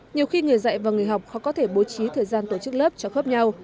nhiều khi người dạy và người học khó có thể bố trí thời gian tổ chức lớp cho khớp nhau